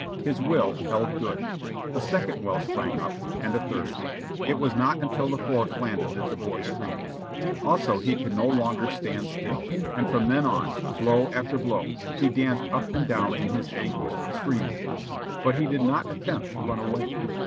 His will held good. A second welt sprang up, and a third. It was not until the fourth landed that the boy screamed. Also, he could no longer stand still, and from then on, blow after blow, he danced up and down in his anguish, screaming; but he did not attempt to run away.